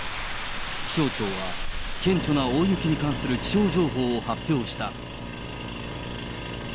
気象庁は顕著な大雪に関する気象情報を発表した。